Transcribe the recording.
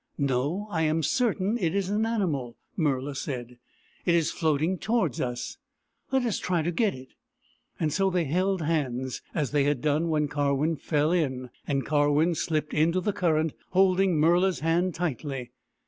" No, I am certain it is an animal," Murla said. " It is floating towards us. Let us try to get it." So they held hands, as they had done when Karwin fell in, and Karwin slipped into the current, holding Murla's hand tightly.